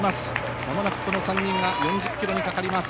まもなくこの３人が４０ｋｍにかかります。